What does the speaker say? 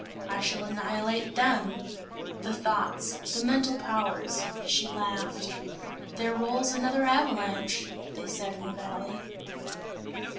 I shall annihilate them! The thoughts! The mental powers!" She laughed. "There rolls another avalanche!" they said in the valley.